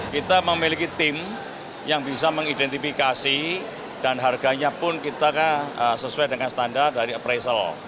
kita memiliki tim yang bisa mengidentifikasi dan harganya pun kita sesuai dengan standar dari appraisal